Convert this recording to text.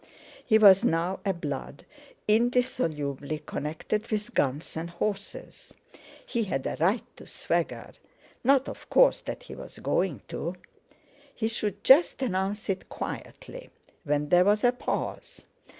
He was now a "blood," indissolubly connected with guns and horses; he had a right to swagger—not, of course, that he was going to. He should just announce it quietly, when there was a pause.